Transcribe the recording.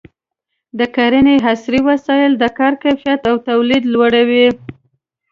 د کرنې عصري وسایل د کار کیفیت او تولید لوړوي.